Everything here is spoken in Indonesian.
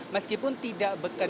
meskipun tidak bekerja